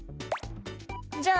「じゃあ」